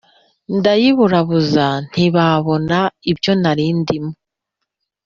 Ndayiburabuza ntibabona ibyo narindimo